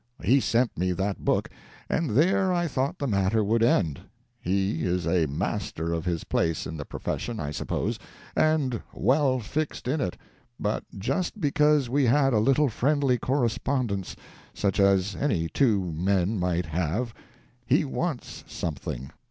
He sent me that book, and there I thought the matter would end. He is a master of his place in the profession, I suppose, and well fixed in it; but just because we had a little friendly correspondence, such as any two men might have, he wants something.